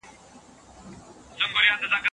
اقتصادي پرمختيا زموږ د ټولو هدف دی.